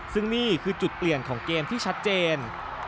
ซึ่งนี่คือจุดเปลี่ยนของเกมที่ชัดเจน